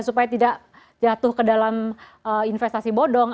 supaya tidak jatuh ke dalam investasi bodong